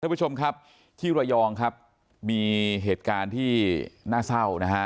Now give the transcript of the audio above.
ผู้ชมครับที่ระยองครับมีเหตุการณ์ที่น่าเศร้านะฮะ